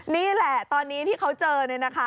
นี่แหละตอนนี้ที่เขาเจอเนี่ยนะคะ